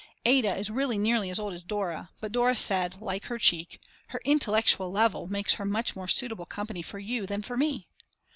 Ada is really nearly as old as Dora, but Dora said, like her cheek: "Her intellectual level makes her much more suitable company for you than for me."